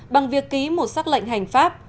bằng việc ký một xác lệnh hành pháp